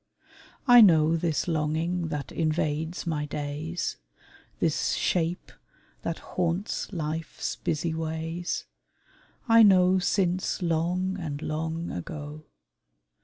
I know This longing that invades my days; This shape that haunts life's busy ways I know since long and long ago.